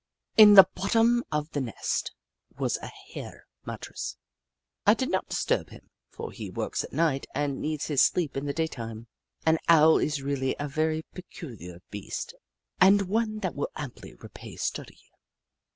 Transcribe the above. In the bot tom of the nest was a Hare mattress. I did not disturb him, for he works at night and needs his sleep in the daytime. An Owl is really a very peculiar beast and one that will amply repay study.